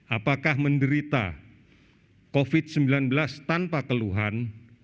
apakah menderita covid sembilan belas tanpa keluhan